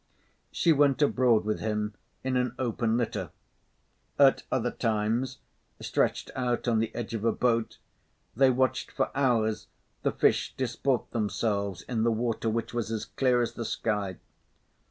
She went abroad with him in an open litter; at other times, stretched out on the edge of a boat, they watched for hours the fish disport themselves in the water, which was as clear as the sky.